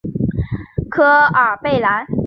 科尔贝兰。